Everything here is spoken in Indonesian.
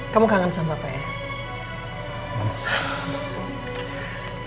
kamu kangen sama pak ya